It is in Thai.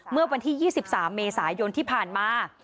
เมื่อวันที่๒๓เมษายนที่ผ่านมา